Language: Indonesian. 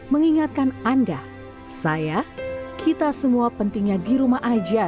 mengingatkan anda saya kita semua pentingnya di rumah aja